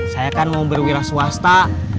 saya kan mau berwira swasta